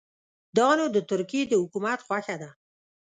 دا نو د ترکیې د حکومت خوښه ده.